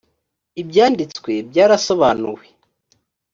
ibyanditswe byarasobanuwe.